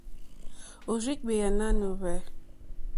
Òrzìɡbèá nánù hwɛ̂.